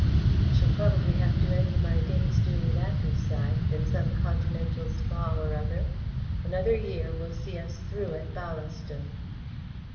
"I shall probably have to end my days doing that," he sighed, "in some Continental Spa or other. Another year will see us through at Ballaston."